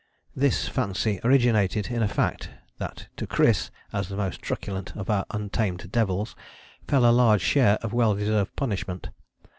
This fancy originated in the fact that to Kris, as the most truculent of our untamed devils, fell a large share of well deserved punishment.